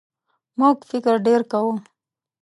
موږ فکر ډېر کوو.